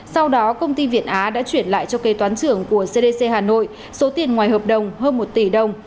sau đó công ty việt á đã chuyển lại cho kế toán trưởng của cdc hà nội số tiền ngoài hợp đồng hơn một tỷ đồng